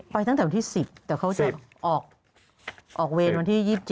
ตั้งแต่วันที่๑๐แต่เขาจะออกเวรวันที่๒๗